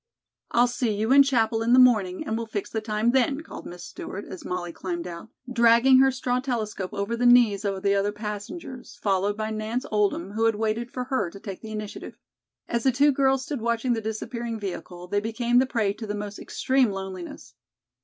"I'll see you in Chapel in the morning, and we'll fix the time then," called Miss Stewart as Molly climbed out, dragging her straw telescope over the knees of the other passengers, followed by Nance Oldham, who had waited for her to take the initiative. As the two girls stood watching the disappearing vehicle, they became the prey to the most extreme loneliness.